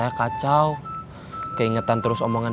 gak usah emang semuanya rachel ya that